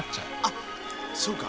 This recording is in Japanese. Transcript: あっそうか。